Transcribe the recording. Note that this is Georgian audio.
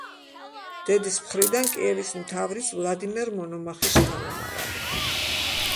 დედის მხრიდან კიევის მთავრის ვლადიმერ მონომახის შთამომავალი.